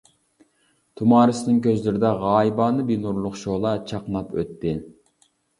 تۇمارىسنىڭ كۆزلىرىدە غايىبانە بىر نۇرلۇق شولا چاقناپ ئۆتتى.